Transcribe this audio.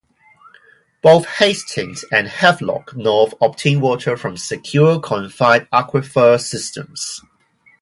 Both Hastings and Havelock North obtain water from secure confined aquifer systems.